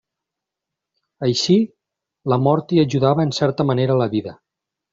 Així, la mort hi ajudava en certa manera la vida.